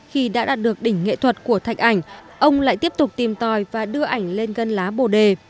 khi đã đạt được đỉnh nghệ thuật của thạch ảnh ông lại tiếp tục tìm tòi và đưa ảnh lên gân lá bồ đề